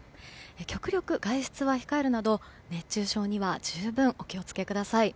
極力、外出は控えるなど熱中症には十分お気をつけください。